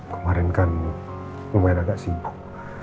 kemarin kan lumayan agak sibuk